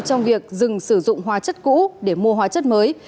trong việc dừng sử dụng hóa chất cũ để mua hóa chất mới